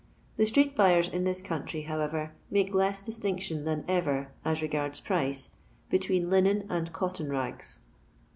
The ttRe^buye^ in thia country, however, make leu diitinction than ever, as regards price, between Udoi and cotton ragt.